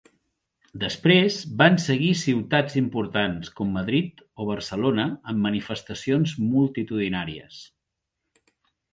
Després van seguir ciutats importants, com Madrid o Barcelona, amb manifestacions multitudinàries.